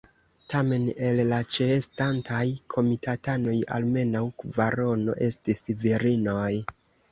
Tamen el la ĉeestantaj komitatanoj almenaŭ kvarono estis virinoj.